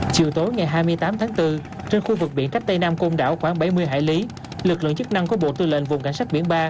chiều tối ngày hai mươi tám tháng bốn trên khu vực biển cách tây nam côn đảo khoảng bảy mươi hải lý lực lượng chức năng của bộ tư lệnh vùng cảnh sát biển ba